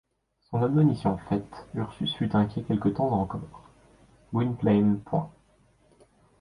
Son admonition faite, Ursus fut inquiet quelque temps encore ; Gwynplaine point.